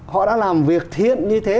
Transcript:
họ đã làm việc thiện như thế